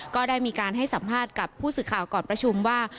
ก็ได้มีการให้สัมภาษณ์กับผู้สื่อข่าวก่อนประชุมว่า